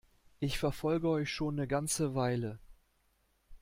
Ich verfolge euch schon 'ne ganze Weile.